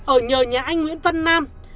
ở nhờ nhà anh nguyễn văn nam